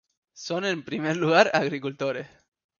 Son en primer lugar agricultores.